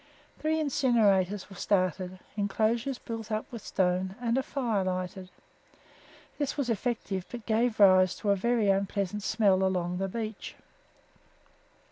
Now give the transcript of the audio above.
Three incinerators were started, enclosures built up with stone, and a fire lighted. This was effective, but gave rise to a very unpleasant smell along the beach.